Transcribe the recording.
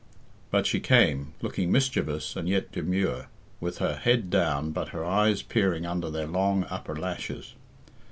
But she came, looking mischievous and yet demure, with her head down but her eyes peering under their long upper lashes.